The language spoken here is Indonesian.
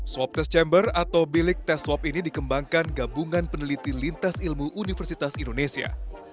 swab test chamber atau bilik tes swab ini dikembangkan gabungan peneliti lintas ilmu universitas indonesia